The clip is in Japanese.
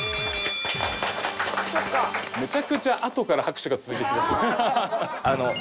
めちゃくちゃあとから拍手が続いていくじゃないですか。